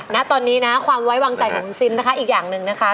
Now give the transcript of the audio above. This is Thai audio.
ณตอนนี้นะความไว้วางใจของคุณซิมนะคะอีกอย่างหนึ่งนะคะ